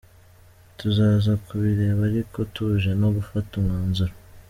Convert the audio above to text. Tuzaza kubireba ariko tuje no gufata umwanzuro.